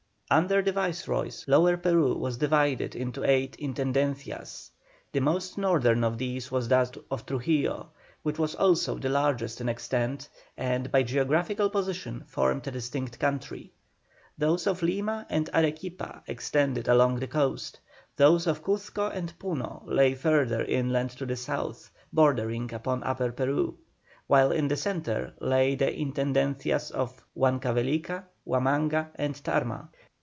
Under the Viceroys, Lower Peru was divided into eight "Intendencias": the most northern of these was that of Trujillo, which was also the largest in extent, and by geographical position formed a distinct country. Those of Lima and Arequipa extended along the coast, those of Cuzco and Puno lay further inland to the South, bordering upon Upper Peru; while in the centre lay the Intendencias of Huancavelica, Huamanga, and Tarma.